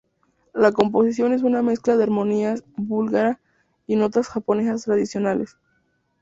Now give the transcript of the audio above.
La composición es una mezcla de armonía búlgara y notas japonesas tradicionales.